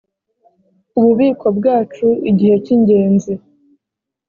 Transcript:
ububiko bwacu igihe cy ingenzi